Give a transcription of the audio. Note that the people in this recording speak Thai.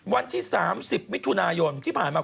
วันที่๓๐มิถุนายนที่ผ่านมา